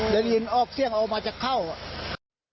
ได้ยินออกเสียงออกมาจะเข้าอ่ะ